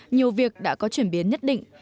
nhiều việc đã có chuyển biến nhất định